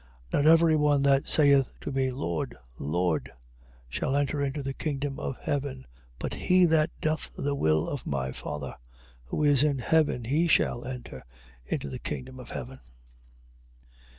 7:21. Not every one that saith to me, Lord, Lord, shall enter into the kingdom of heaven: but he that doth the will of my Father who is in heaven, he shall enter into the kingdom of heaven.